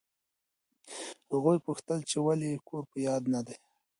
هغوی پوښتل چې ولې یې کور په یاد نه دی.